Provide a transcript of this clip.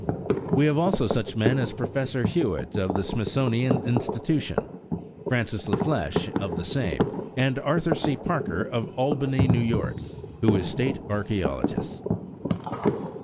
We have also such men as Professor Hewitt of the Smithsonian Institution, Francis La Flesche of the same, and Arthur C. Parker of Albany, N. Y., who is state archæologist.